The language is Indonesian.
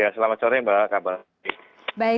selamat sore mbak